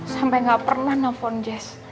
sampai gak pernah nelfon jazz